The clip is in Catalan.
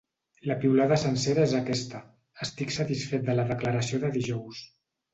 La piulada sencera és aquesta: Estic satisfet de la declaració de dijous.